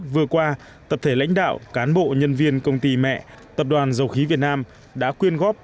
vừa qua tập thể lãnh đạo cán bộ nhân viên công ty mẹ tập đoàn dầu khí việt nam đã quyên góp